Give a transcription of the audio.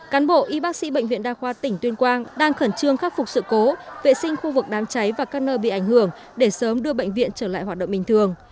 cán bộ y bác sĩ bệnh viện đa khoa tỉnh tuyên quang đang khẩn trương khắc phục sự cố vệ sinh khu vực đám cháy và các nơi bị ảnh hưởng để sớm đưa bệnh viện trở lại hoạt động bình thường